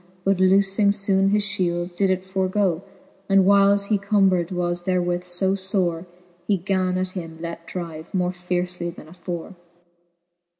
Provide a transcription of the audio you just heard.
But loofing foone his fhield, did it forgoe \ And whiles he combred was therewith fb fbre^ He gan at him let drive more fiercely then afore.